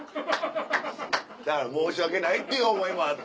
だから申し訳ないっていう思いもあって。